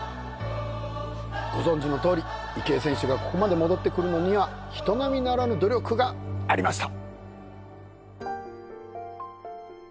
ご存じのとおり池江選手がここまで戻ってくるのには人並みならぬ努力がありました